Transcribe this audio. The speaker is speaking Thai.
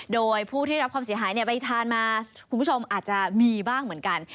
โดยผู้ที่รับความเสียหายไปทานมาคุณผู้ชมอาจจะมีบ้างเหมือนกัน